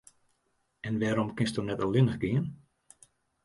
En wêrom kinsto net allinnich gean?